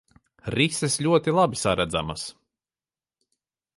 Rises ļoti labi saredzamas.